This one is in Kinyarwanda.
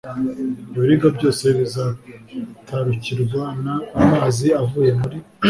Ibiribwa byose bizatarukirwa n amazi avuye muri